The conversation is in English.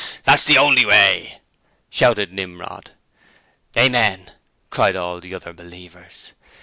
that's the honly way!' shouted Nimrod. 'Amen,' cried all the other believers.